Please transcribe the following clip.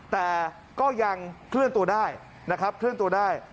แต่ก็ยังเคลื่อนตัวได้นะครับเคลื่อนตัวได้